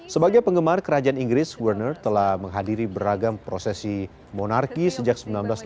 sebagai penggemar kerajaan inggris werner telah menghadiri beragam prosesi monarki sejak seribu sembilan ratus delapan puluh